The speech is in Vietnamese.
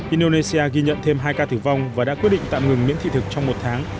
indonesia ghi nhận thêm hai ca tử vong và đã quyết định tạm ngừng miễn thị thực trong một tháng